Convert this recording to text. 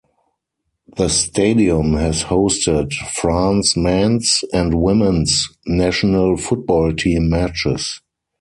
The stadium has hosted France men's and women's national football team matches.